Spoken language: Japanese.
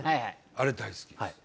あれ大好きです。